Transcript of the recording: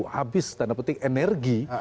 habis tanda petik energi